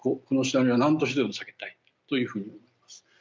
このシナリオはなんとしてでも避けたいというふうになります。